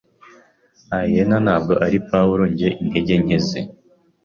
Aineya ntabwo ari Pawulo njye intege nke ze